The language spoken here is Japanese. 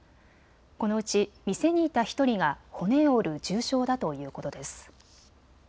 このうち店にいた１人が骨を折る重傷だということです。